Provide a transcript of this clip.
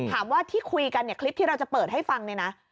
ว่าที่คุยกันเนี่ยคลิปที่เราจะเปิดให้ฟังเนี่ยนะ